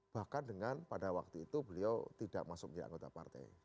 bahkan dengan pada waktu itu beliau tidak masuk menjadi anggota partai